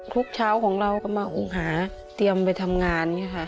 ทุกเช้าของเราก็มาอูงหาเตรียมไปทำงาน